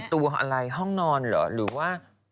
ที่ห้องนอนหรือว่า